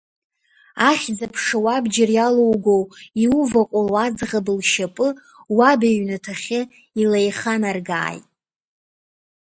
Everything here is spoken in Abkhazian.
Ахьӡ-аԥша уабџьар иалоуго иуваҟәыло аӡӷаб лшьапы уаб иҩнаҭахьы илеиханаргааит!